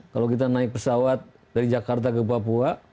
kalau kita naik pesawat dari jakarta ke papua